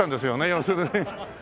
要するに。